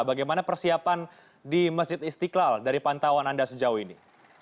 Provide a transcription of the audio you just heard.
bagaimana persiapan di masjid istiqlal dari pantauan anda sejauh ini